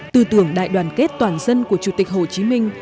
tư tưởng đại đoàn kết toàn dân của chủ tịch hồ chí minh